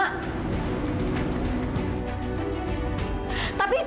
aku kasih aku terima